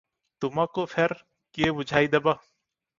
ତୁମକୁ ଫେର କିଏ ବୁଝାଇଦେବ?